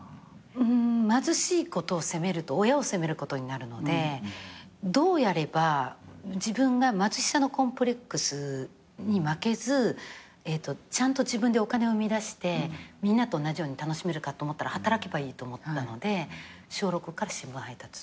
貧しいことを責めると親を責めることになるのでどうやれば自分が貧しさのコンプレックスに負けずちゃんと自分でお金を生み出してみんなと同じように楽しめるかと思ったら働けばいいと思ったので小６から新聞配達を。